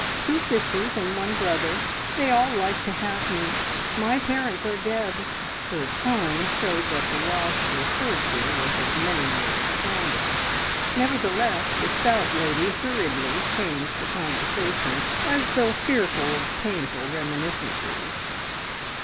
Two sisters and one brother. And they all like to have me. My parents are dead." Her tone showed that the loss referred to was of many years' standing; nevertheless, the stout lady hurriedly changed the conversation, as though fearful of painful reminiscences.